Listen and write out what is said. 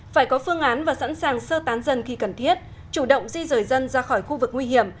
phải có phương án và sẵn sàng sơ tán dân khi cần thiết chủ động di rời dân ra khỏi khu vực nguy hiểm